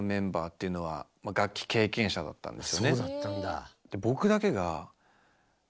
そうだったんだ。